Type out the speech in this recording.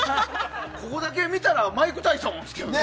ここだけ見たらマイク・タイソンだけどね。